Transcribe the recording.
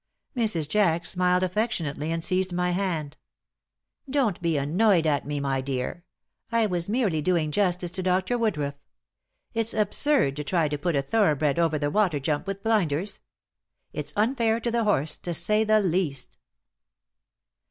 Mrs. Jack smiled affectionately and seized my hand. "Don't be annoyed at me, my dear. I was merely doing justice to Dr. Woodruff. It's absurd to try to put a thoroughbred over the water jump with blinders. It's unfair to the horse, to say the least."